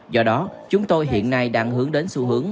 do đó chúng tôi hiện nay đang hướng đến xu hướng